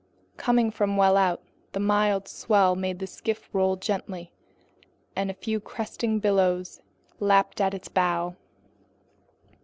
Coming from well out, a mild swell made the skiff roll gently, and a few cresting billows lapped at its bow.